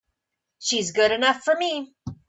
She's good enough for me!